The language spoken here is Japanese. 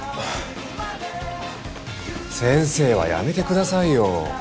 「先生」はやめてくださいよ。